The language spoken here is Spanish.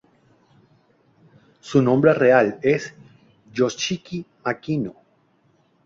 Su nombre real es Yoshiki Makino.